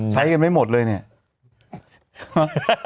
ใช้กันไม่หมดเลยเนี่ย